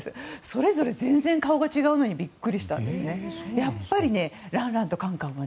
それぞれ全然、顔が違うのにびっくりしたんです。